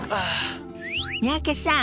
三宅さん